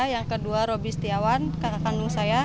yang kedua roby setiawan kakak kandung saya